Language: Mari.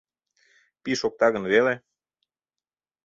— Пий шокта гын веле...